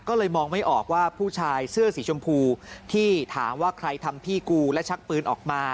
ก็เลยมองไม่ออกว่าผู้ชายเสื้อสีชมพูที่ถามว่าใครทำพี่กูและชักปืนออกมา